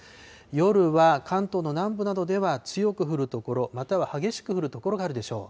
夜は関東の南部などでは強く降る所、または激しく降る所があるでしょう。